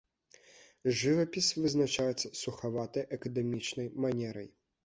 Жывапіс вызначаецца сухаватай акадэмічнай манерай.